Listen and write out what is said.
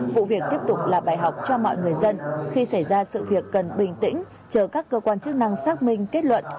vụ việc tiếp tục là bài học cho mọi người dân khi xảy ra sự việc cần bình tĩnh chờ các cơ quan chức năng xác minh kết luận